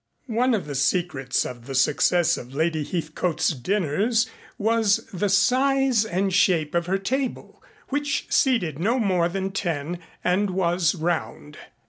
One of the secrets of the success of Lady Heathcote's dinners was the size and shape of her table, which seated no more than ten and was round.